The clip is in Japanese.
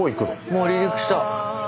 もう離陸した。